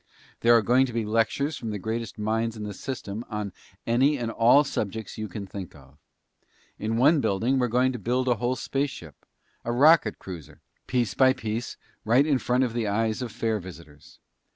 There are going to be lectures from the greatest minds in the system on any and all subjects you can think of. In one building we're going to build a whole spaceship a rocket cruiser piece by piece, right in front of the eyes of fair visitors.